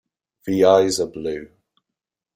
The eyes are blue.